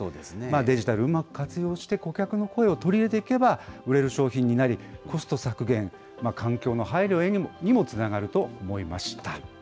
デジタルを活用して、顧客の声を取り入れていけば、売れる商品になり、コスト削減、環境の配慮にもつながると思いました。